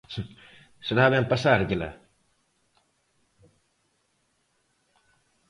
¿Será ben pasárllela?